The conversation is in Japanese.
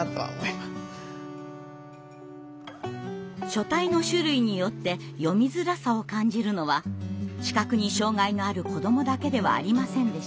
書体の種類によって読みづらさを感じるのは視覚に障害のある子どもだけではありませんでした。